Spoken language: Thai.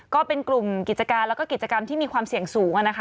ก็เป็นกลุ่มกิจการแล้วก็กิจกรรมที่มีความเสี่ยงสูงนะคะ